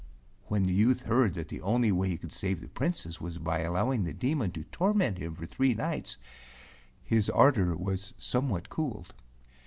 When the youth heard that the only way he could save the Princess was by allowing the De¬ mon to torment him for three nights, his ardor was somewhat cooled.